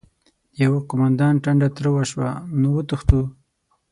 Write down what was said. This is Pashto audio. د يوه قوماندان ټنډه تروه شوه: نو وتښتو؟!